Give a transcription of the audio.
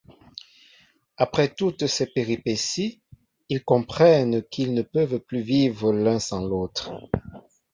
Après toutes ces péripéties, ils comprennent qu'ils ne peuvent plus vivre l'un sans l'autre.